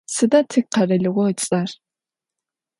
Sıda tikheralığo ıts'er?